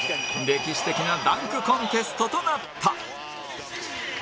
歴史的なダンクコンテストとなった